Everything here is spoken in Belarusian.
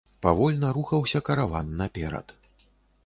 Павольна рухаўся караван наперад.